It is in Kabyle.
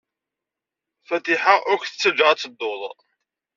Fatiḥa ur k-tettajja ad tedduḍ.